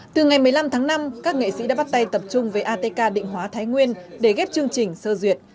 từ ngày một mươi năm tháng năm các nghệ sĩ đã bắt tay tập trung với atk định hóa thái nguyên để ghép chương trình sơ duyệt